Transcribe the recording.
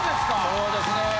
そうですね。